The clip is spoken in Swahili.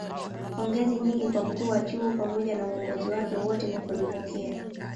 pongezi nyingi kwa mkuu wa chuo pamoja na uongozi wake wote kwa kunipokea